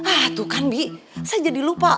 ah tuh kan bi saya jadi lupa